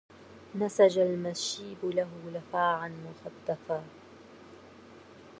نسج المشيب له لفاعا مغدفا